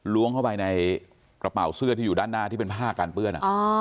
ล้วงเข้าไปในกระเป๋าเสื้อที่อยู่ด้านหน้าที่เป็นผ้ากันเปื้อน